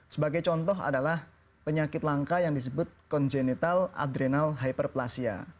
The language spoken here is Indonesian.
sebagai contoh adalah penyakit langka yang disebut kongenetal adrenal hyperplasia